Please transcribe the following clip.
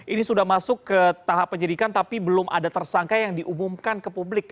ini sudah masuk ke tahap penyelidikan tapi belum ada tersangka yang diumumkan ke publik